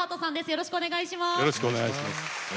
よろしくお願いします。